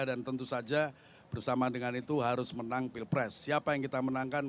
dan tentu saja bersama dengan itu harus menang pilpres siapa yang kita menangkan